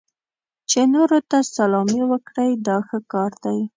چې نورو ته سلامي وکړئ دا ښه کار دی.